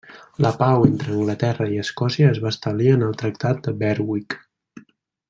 La pau entre Anglaterra i Escòcia es va establir en el tractat de Berwick.